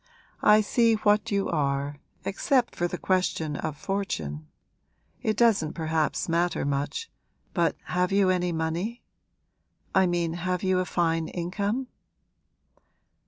I see what you are, except for the question of fortune. It doesn't perhaps matter much, but have you any money? I mean have you a fine income?'